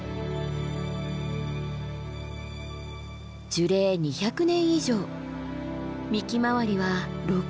樹齢２００年以上幹周りは６ｍも。